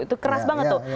itu keras banget tuh